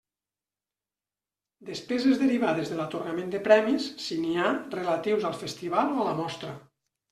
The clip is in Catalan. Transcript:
Despeses derivades de l'atorgament de premis, si n'hi ha, relatius al festival o a la mostra.